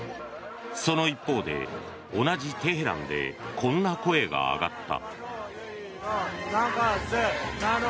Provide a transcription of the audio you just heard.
その一方で、同じテヘランでこんな声が上がった。